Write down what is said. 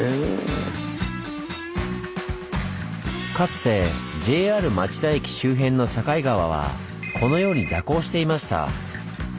かつてＪＲ町田駅周辺の境川はこのように蛇行していました。